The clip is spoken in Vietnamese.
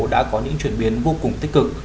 đã có những chuyển biến vô cùng tích cực